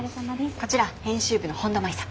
こちら編集部の本田麻衣さん。